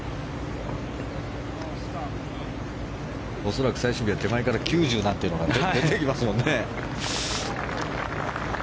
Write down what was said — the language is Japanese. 恐らく最終日は手前から９０なんていうのが出てきますね。